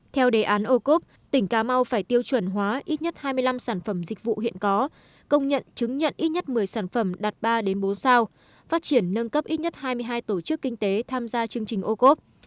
theo đề án ô cốp tỉnh cà mau phải tiêu chuẩn hóa ít nhất hai mươi năm sản phẩm dịch vụ hiện có công nhận chứng nhận ít nhất một mươi sản phẩm đạt ba bốn sao phát triển nâng cấp ít nhất hai mươi hai tổ chức kinh tế tham gia chương trình ô cốp